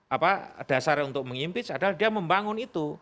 apa dasar untuk mengimpij adalah dia membangun itu